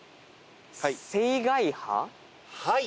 はい。